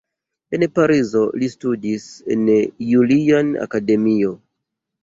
En Parizo li studis en "Julian Akademio".